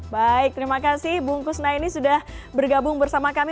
baik terima kasih bung kusnaini sudah bergabung bersama kami